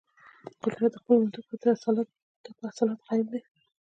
قدرت خپلو منطق ته په اصالت قایل دی.